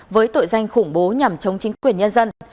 với tội danh khủng bố nhằm chống chính quyền nhân dân